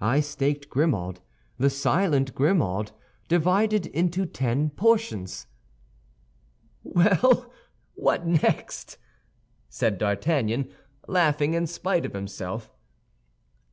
I staked Grimaud, the silent Grimaud, divided into ten portions." "Well, what next?" said D'Artagnan, laughing in spite of himself.